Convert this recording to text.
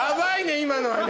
今のはね。